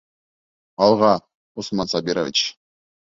Алға, Усман Сабирович!